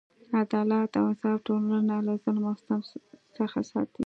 عدالت او انصاف ټولنه له ظلم او ستم څخه ساتي.